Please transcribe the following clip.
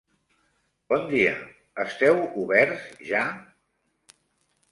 Bon dia, esteu oberts ja?